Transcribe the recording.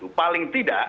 jadi kita harus berpikir